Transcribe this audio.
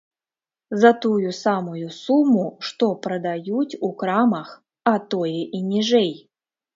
За тую самую суму, што прадаюць у крамах, а тое і ніжэй!